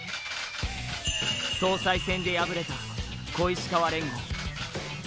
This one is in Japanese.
総裁選で敗れた小石河連合。